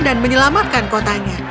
dan menyelamatkan kotanya